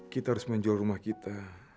kita harus menjual rumah kita